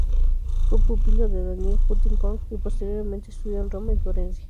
Fue pupilo de Daniel Huntington, y posteriormente estudió en Roma y Florencia.